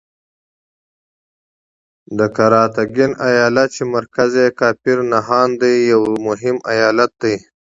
د قراتګین ایالت چې مرکز یې کافر نهان دی یو مهم ایالت دی.